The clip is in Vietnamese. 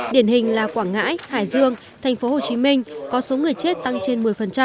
điển hình là quảng ngãi hải dương thành phố hồ chí minh có số người chết tăng trên một mươi